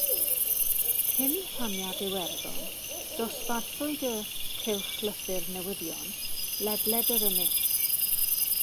Cyn rhaniad Iwerddon, dosbarthwyd y “Cylchlythyr Newyddion” ledled yr ynys.